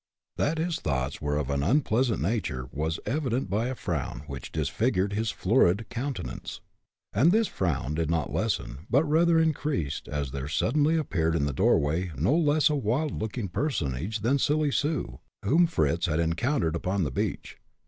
That his thoughts were of an unpleasant nature was evident by a frown which disfigured his florid countenance. And this frown did not lessen, but rather increased as there suddenly appeared in the doorway no less a wild looking personage than Silly Sue, whom Fritz had encountered upon the beach.